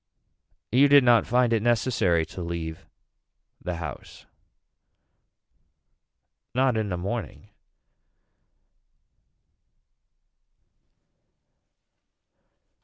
You did not find it necessary to leave the house. Not in the morning.